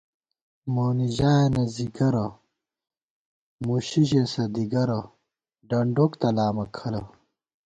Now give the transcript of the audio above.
مونی ژایَنہ ځِگَرہ، مُشی ژېسہ دِگَرہ ، ڈنڈوک تلامہ کھلہ